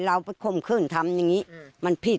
เราไปคงเคลื่อนทำอย่างนี้มันผิด